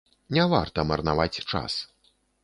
Не варта марнаваць час.